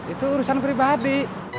itu urusan pribadi